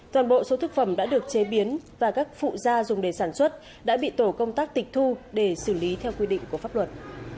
toàn bộ số thức phẩm đã được chế biến và các phụ da dùng để sản xuất đã bị tổ công tác tịch thu để xử lý theo quy định của pháp luật